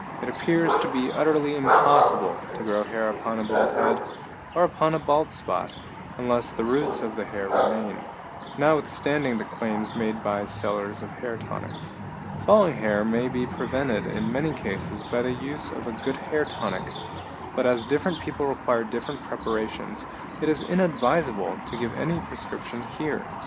It appears to be utterly impossible to grow hair upon a bald head, or upon a bald spot, unless the roots of the hair remain, notwithstanding the claims made by sellers of hair tonics. Falling hair may be prevented in many cases by the use of a good hair tonic, but as different people require different preparations, it is inadvisable to give any prescription here.